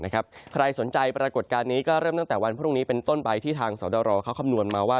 ใครสนใจปรากฏการณ์นี้ก็เริ่มตั้งแต่วันพรุ่งนี้เป็นต้นไปที่ทางสตรเขาคำนวณมาว่า